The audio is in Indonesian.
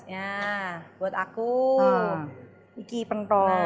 ya buat aku iki pentol